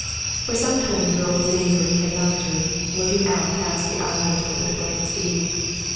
For some time the girl remained where he had left her, looking out past the islet and over the bright sea.